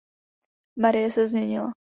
Marie se změnila.